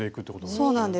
そうなんです。